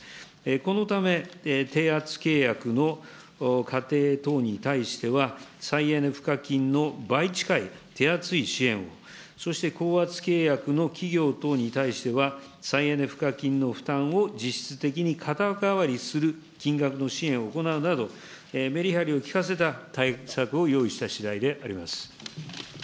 このため、低圧契約の家庭等に対しては、再エネ賦課金の倍近い手厚い支援を、そして高圧契約の企業等に対しては、再エネ賦課金の負担を実質的に肩代わりする金額の支援を行うなど、メリハリを利かせた対策を用意したしだいであります。